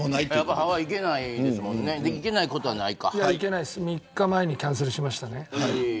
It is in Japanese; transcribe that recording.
ハワイは３日前にキャンセルしました。